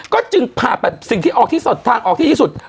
ก็จึงผ่าแบบสิ่งที่ออกที่สุดทางออกที่ที่สุด